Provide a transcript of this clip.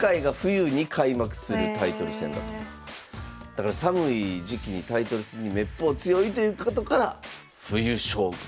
だから寒い時期にタイトル戦にめっぽう強いということから冬将軍と。